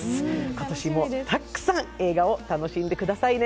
今年もたくさん映画を楽しんでくださいね